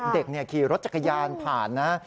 เด็กขี่รถจักรยานผ่านนะ